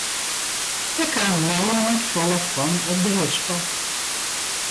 Dêr kaam nea net folle fan op de hispel.